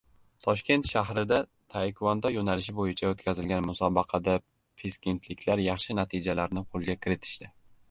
Toshkent shahrida Taekvondo yoʻnalishi boʻyicha oʻtkazilgan musobaqada piskentliklar yaxshi natijalarni qoʻlga kiritishdi.